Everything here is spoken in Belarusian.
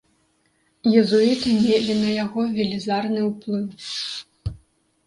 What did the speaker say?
Езуіты мелі на яго велізарны ўплыў.